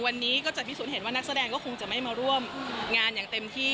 วันนี้ก็จะพิสูจนเห็นว่านักแสดงก็คงจะไม่มาร่วมงานอย่างเต็มที่